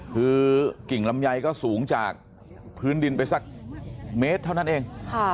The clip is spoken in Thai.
คือกิ่งลำไยก็สูงจากพื้นดินไปสักเมตรเท่านั้นเอง